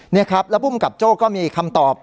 นี่ครับแล้วภูมิกับโจ้ก็มีคำตอบ